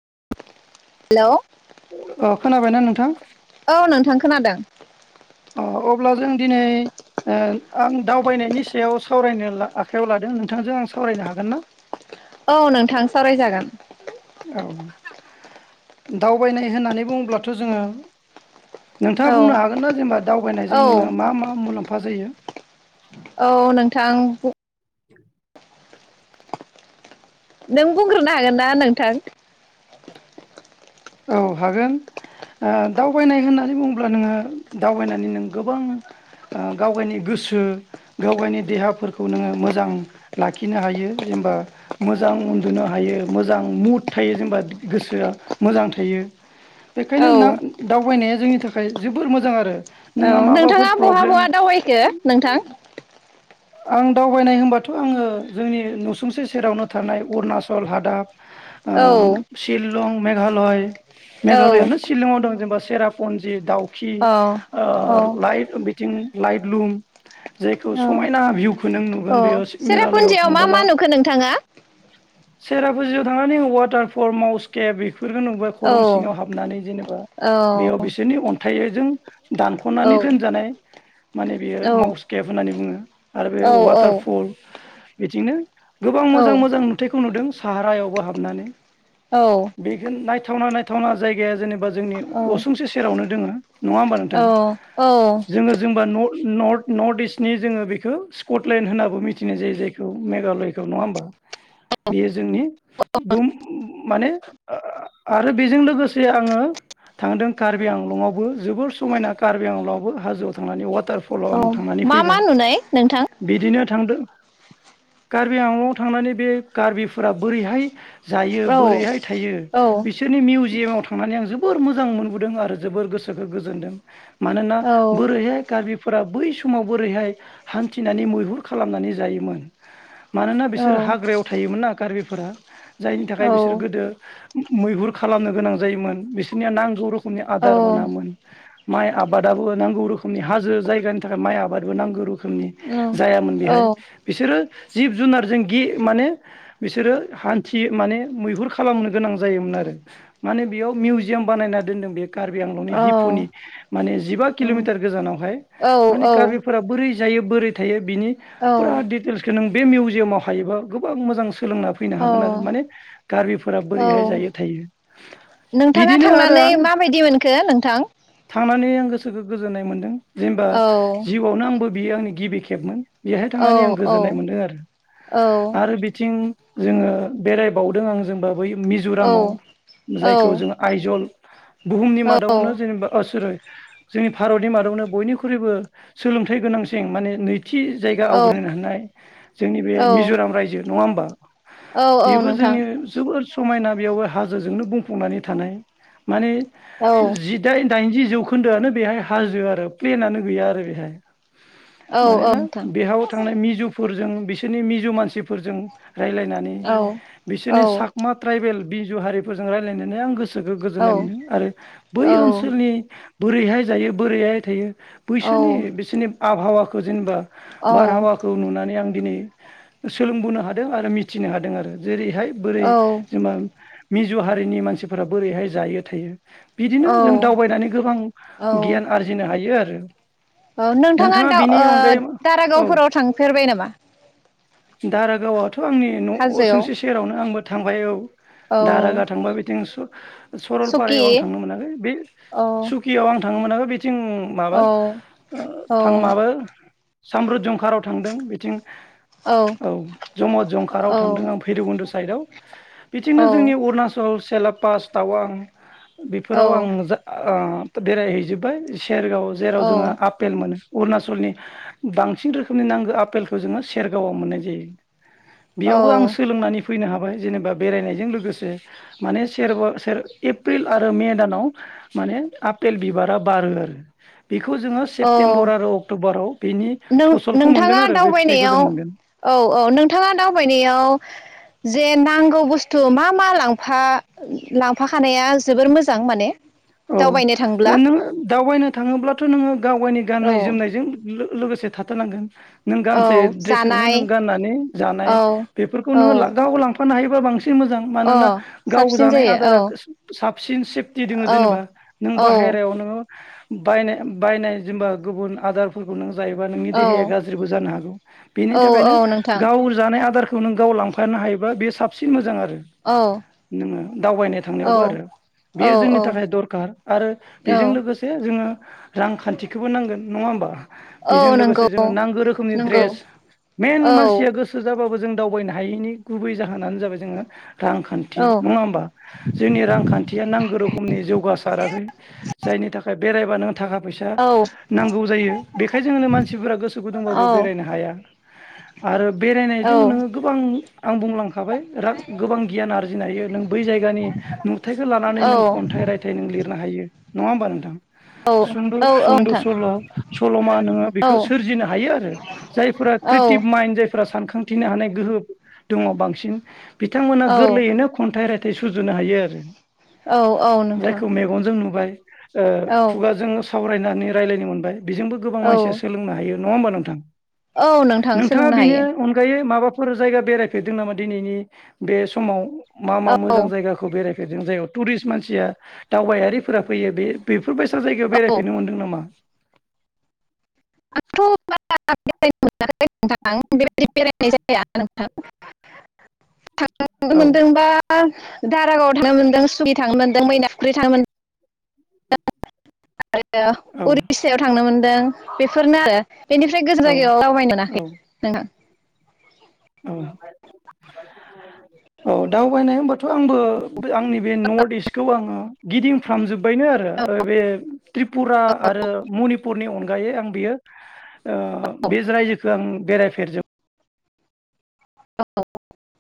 [unintelligible] अ खोनाबायना नोंथ थां औ नोंथां [unintelligible] अ अब्ला जों दिनै ओ आं दावबायनायनि सायाव सावरायनो ला आखायाव लादों नोंथांजों आं सावरायनो हागोन ना? औ नोंथां सावरायजागोन औ दावबायनाय होननानै बुङोब्लाथ' जोङो नोंथांङा औ बुंनो हागोन ना जेनेबा दावबायनायजों औ नोंङो मा मा मुलाम्फा फा जायो औ नोंथां । नों बुंग्रोनो हागोनना नोंथां? औ हागोन ओ दावबायनाय होननानै बुङोब्ला नोंङो दावबायनानै नों गोबां ओ गावगायनि गोसो गावगायनि देहाफोरखौ नोंङो मोजां लाखिनो हायो जेनेबा मोजां उन्दुनो हायो मोजां मुद थायो जेनेबा गोसोआ मोजां थायो । बेखायनो औ ना दावबायनाया जोंनि थाखाय जोबोर मोजां आरो । औ नोंथांङा बहा बहा दावबायखो नोंथां? आं दावबायनाय होनबाथ' आंङो जोंनि नुसुंसे सेरावनो थानाय अरुणाचल हादाब । औ ओ शिलं । मेघालय । मेघालयानो औ शिलंआव दं जेनेबा । सेराफनजि दाउ खि औ ओ लाइ लाइट लुम जायखौ औ समा भिउखौ नों नुगोन औ बेयाव सि नों मेगालयाव सेरापुन्जियाव मा मा थांबोला नुखो नोंथाङा सेरापुजियाव थांनानै वाटार फर माउसकेप बेखौ बेफोरखौ नुबाय औ खरं सिङाव हाबनानै जेनेबा औ बेयाव बिसोननि अन थायो जों । औ दानखनानै दोनजानाय माने बेयो औ मसकेब होननानै बुङो। आरो बे औ वाटारफल बिथिंनो गोबां मोजां मोजां नुथायखौ नुदों । साहारायावबो हाबनानै औ । बेखौ नायथावना नाय थावना जायगाया जेनब बा जोंनि असुंसे सेरावनो दोङो । नङा होमबा नोंथां औ औ जोङो जोंबा न नर्थ नर्थ इस्टनि जोङो बि बेखौ स्कटलेण्ड होनाबो मिथिनाय जायो जायखौ मेघालयखौ नङा होमबा बेयो जोंनि दुम माने आरो बेजों लोगोसे आङो थांदों कार्बि आंलंआवबो जोबोर समायना कार्बि आंलंआवबो हाजोआव थांनानै वाटारफलाव औ आं मा मा नुनाय? नोंथां । थांदो कार्बि आलं आव थांनानै बे कार्बिफोरा बोरैहाय जायो औ बोरैहाय थायो औ बिसोरनि मिउजियामाव था थांनानै आं जोबोर मोजां मोनबोदों आरो जोबोर गोसोखौ गोजोनदों । मानोना औ बोरैहाय कार्बि फोरा बै समाव बोरैहाय हान्थिनानै मैहुर खालामनानै जायोमोन मानोना बिसोरो औ हाग्रायाव थायोमोन ना कार्बिफोरा जायनि औ थाखाय बिसोर गोदो मैहुर खालामनो गोनां जायोमोन बिसोरनिया नांगौ रोखोमनि आदार मोनामोन माइ आबादाबो नांगौ रोखोमनि हाजो जायगानि थाखाय माइ आबादबो नांगौ रोखोम रोखोमनि जायामोन बेहाय बिसोरो जिब जुनारजों गि माने बिसोरो हान्थि माने मैहुर खालामनो गोनां जायोमोन आरो माने बेयाव मिउजियाम बानायना दोनदों बे कार्बि आंलंनि दिफुनि माने जिबा किल मिटार गोजानाव। फाय औ माने कार्बिफोरा बोरै जायो बोरै थायो । बिनि औ फुरा दि [unintelligible] खौ नों बे मिउजियामाव हायोबा गोबां मोजां सोलोंना फैनो औ हागोन आरो माने गारबिफोरा बोरैहाय औ जायो थायो नोंथाङा बिदिनो आरो थांनानै आं माबायदि मोनखो नोंथां? सोखो गोजोन्नाय मोन्दों । जेनेबा औ जिउआवनो आंबो बियो आंनि गिबि खेबमोन। बेहाय औ थांनानै आं गोजोननाय औ मोनदों आरो औ आरो बिथिं जोङो बेरायबावदों आं जोंबा बै औ मिजुरामाव औ जायखौ जेङो आयजल बुहुमनि मादावनो जेनेबा अ सरि जोंनि भारतनि मादावनो बयनिख्रुइबो सोलोंथाइ गोनांसि थिं माने नै थि जायगा औ आवग्रिहोनो हानाय जोंनि बे मिजुराम रायजो नङा होमबा? औ बेबो नोंथां जोंनि जोबोद समायना बेयावबो हाजोजोंनो बुंफुंनानै थानाय माने औ जिदाइन दाइनजि जौखोन्दोआनो बेहाय हाजो आरो प्लेनानो गैया आरो बेहाय। औ औ मानोना नोंथां बेहाव थांनाय मिजुफोरजों बिसो नि मिजु मानसिफो फोरजों रायलायनानै औ औ बिसोरनि सकमा ट्राइबेल बिजु हारिफोरजों रायलायनानै आं गोसो गोसोखौ गोजोननाय मोनदों आरो बै औ ओनसोलनि बोरैहाय जायो बोरैहाय थायो बैसोनि औ बिसोरनि आबहावाखौ जेनेबा बारहावाखौ नुनानै आं दिनै सोलोंबोनो हादों आरो मिथिनो हादों आरो। जेरैहाय बोरै औ जेनबा मिजु हारिनि मानसिफोरा बोरैहाय जायो थायो बिदिनो जों दावबायनानै गोबां गियान औ आरजिनो हायो आरो। आरो नोंथाङा दा-दारागावफोराव थांफेरबाय नामा? दारागावाव थ आंनि न हाजोआव उसुंसे सेरावनो आंबो थांबाय औ। औ दारागा थांबा बिथिं सुकि सरलपारायाव आं थांनो मोनाखै बे औ सुकियाव आं थांनो मोनाखै जों माबा औ औ थांबाबो साम्रुद जुंखाराराव थांदों बिथिं औ जमद जंखाराराव औ थांदों आं भैरबुन्द साइदाव। बिथिंनो औ जोंनि अरुणाचल सेलाप पास टावां बेफोराव आं जा आं बेरायहैजोबबाय। सेरगाव जेराव जोङो औ आफपेल मोनो। अरुणाचलनि बांसिन रोखोमनि नांगौ आफेलखौ जोङो सेरगावआव मोननाय जायो। बेयावबो आं औ सोलोंनानै फैनो हाबाय जेनेबा बेरायनायजों लोगोसे माने सेरगाव एप्रिल आरो मे दानाव माने आफपेल बिबारा बारो आरो बेखौ जोङो औ सेप्तेम्बरा बार आव नों नोंथाङा दावबायनायाव जों मोनगोन औ औ नोंथाङा दावबायनायाव जे नांगौ बुस्थु मा मा लांफा लांफाखानाया जोबोर मोजां माने? औ दावबायनो थांब्ला नोङो दावबायनो थाङोब्लाथ नोङो गाव गावनि गाननाय औ जोमनायजों लोगोसे थाथारनांगोन। नों औ गानसे दड्रेसखौनो जानाय नों गाननानै जानाय औ बेफोरखौ औ नोङो गाव लांथ फाननो हायोब बांसिन मोजां अ मानोना गाव साबसिन जानाय जायो आदारा औ साबसिन सेफटि दङ औ जेनेबा नों औ बाहेरायावनो बायनाय बायनाय जेनबा गुबुन आदारफोरखौ नों जायोबा नोंनि औ देहाया गाज्रिबो जानो हागौ बेनि औ थाखायनो औ नोंथां गाव जानाय आदार नों गाव लांफानो हायोबा बे साबसिन मोजां आरो औ नोङो दावबायनाय थांनायावबो आरो बे औ जोंनि औ थाखाय दरखार आरो औ बेजों लोगोसे जोङो रांखान्थिखौबो नांगोन नङा होमबा? बेजों औ लोगोसे नंगौ जोङो नांगौ रोखोमनि नंगौ ड्रेस मेइन औ मानसिया गोसो जाबाबो जों दावबायनो हायैनि गुबै जाहोनानो जाबाय जोङो औ रांखान्थि नङा होमबा जोंनि रांखान्थिया नांगौ रोखोम नि जौगासाराखै जायनि थाखाय बेरायबानो थाखा फैसा औ नांगौ जायो बेखाय जोनो मानसिफोरा गोसो गुदुंबाबो बेरायनो हाया आरो बेरायनायजों औ नोङो गोबां आं बुंलांखाबाय गोबां गियान आरजिनो हायो नों बै जायगानि नुथायखौ लानानै नों औ खन्थाइ रायथाइ नों लिरनो हायो। नंङा होनबा नों नोंथां? औ सुंद औ सुंद नोंथां सल सलमा नोङो बेखौ औ सोरजिनो हायो आरो जायफोरा औ क्रियेटिभ माइन्ड जायफोरा सानखां हानथिनो हानाय गोहो दङ बांसिन बिथांमोना औ गोरलैयैनो खन्थाइ राय थाय सुजुनो हायो आरो औ औ नोंथां जायखौ मेगनजों नुबाय ओ औ खुगाजों सावरायनानै रायज्लायनो मोनबाय बेजोंबो गोबां मानसिया औ सोलोंनो हायो। नङा होमबा नोंथां औ नोंथां नोंथाङा सोलोंनो बेनि हायो अनगायै माबा माफोर जायगा बेरायफेरदों नामा दिनैनि बे समाव मा मा मोजां औ जायगाखौ बेराय गोजान जागा टुरिस्ट मानसिया दावबायारिफोरा फैयो बे-बेफो [unintelligible] बेसजायगायाव औ बेरायफैनो मोनदों नामा? आंथ' बारा बेरायनो नोंथां बेबायदि बेरायनाय जाया नोंथां थांनो औ मोनदोंबा दारागावआव थांनो मोनदों सुकि थांनो मोनदों मैनाखफुख्रि थांनो मोनदों। आरो औ उरिसायाव थांनोमोन बेफोरनो आरो बेनिफ्राय गोजान औ जायगायाव दावबायनो औ मोनाखै नोंथां औ औ दावबायनाय होनबाथ आंबो आंनि बे नर्थ इस्टखौ आङो गिदिंफ्राम जोब बायनो आरो बे त्रिपुरा आरो मनिपुरनि अनगायै आं बियो अ बे रायजोखौ आं बेरायफेरजोब [inaudible]